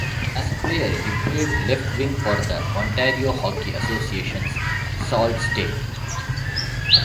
As a player, he played left-wing for the Ontario Hockey Association's Sault Ste.